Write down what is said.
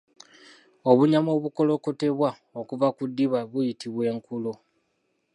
Obunyama obukolokotebwa okuva mu ddiba buyitibwa Enkulo.